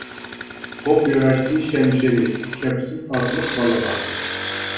خوپ ياراشتى شەمشىرى، كەپسىز ئاتلىق بالىغا.